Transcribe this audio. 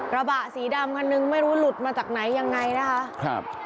ระบะสีดำคันนึงไม่รู้หลุดมาจากไหนยังไงนะคะครับ